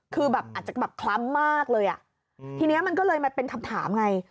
คือแบบอาจจะแบบคล้ำมากเลยอ่ะทีนี้มันก็เลยมาเป็นคำถามไง